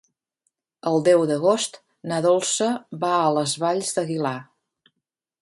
El deu d'agost na Dolça va a les Valls d'Aguilar.